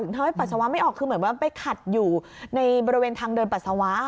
ถ้าให้ปัสสาวะไม่ออกคือเหมือนว่าไปขัดอยู่ในบริเวณทางเดินปัสสาวะ